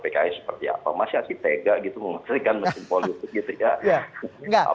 pks seperti apa mas adi tega gitu mengatakan mesin politik gitu ya